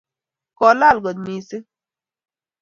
Kolal kot mising